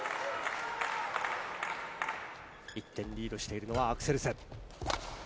１点リードしているのはアクセルセン。